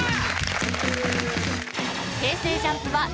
ＪＵＭＰ！